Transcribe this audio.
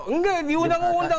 enggak di undang undang